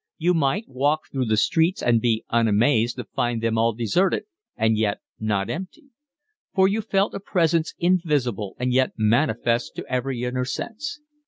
You might walk through the streets and be unamazed to find them all deserted, and yet not empty; for you felt a presence invisible and yet manifest to every inner sense.